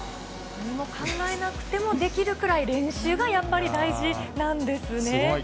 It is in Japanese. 何も考えなくてもできるくらい、練習がやっぱり大事なんですすごい。